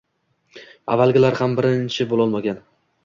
avvalgilar ham birinchi bo‘lolmagan